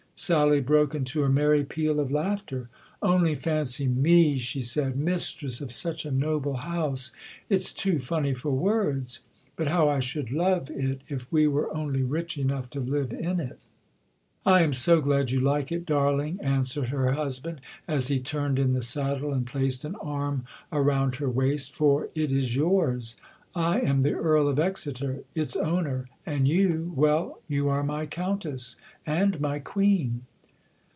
Sally broke into a merry peal of laughter. "Only fancy me," she said, "mistress of such a noble house! It's too funny for words. But how I should love it if we were only rich enough to live in it!" "I am so glad you like it, darling," answered her husband, as he turned in the saddle and placed an arm around her waist; "for it is yours. I am the Earl of Exeter, its owner, and you well, you are my Countess and my Queen."